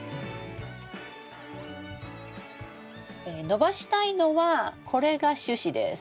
伸ばしたいのはこれが主枝です。